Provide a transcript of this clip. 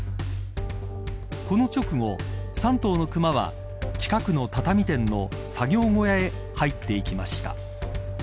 この直後、３頭の熊は近くの畳店の作業小屋へ入っていきました。